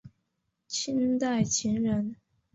清代琴人。